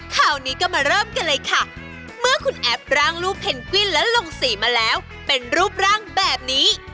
ข่าวนี้ก็มาเริ่มกันเลยค่ะเมื่อคุณแอปร่างรูปเพนกวิ้นและลงสีมาแล้วเป็นรูปร่างแบบนี้